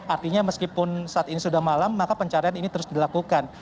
artinya meskipun saat ini sudah malam maka pencarian ini terus dilakukan